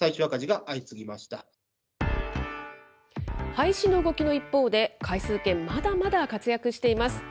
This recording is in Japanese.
廃止の動きの一方で、回数券、まだまだ活躍しています。